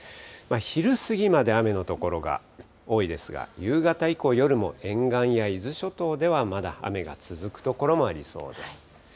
昼過ぎまで雨の所が多いですが、夕方以降、夜も沿岸や伊豆諸島では、まだ雨が続く所もありそうです。